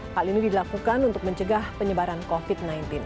hal ini dilakukan untuk mencegah penyebaran covid sembilan belas